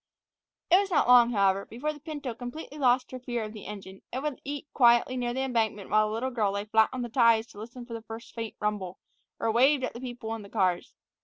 It was not long, however, before the pinto completely lost her fear of the engine, and would eat quietly near the embankment while the little girl lay flat on the ties to listen for a first faint rumble, or waved at the people in the cars.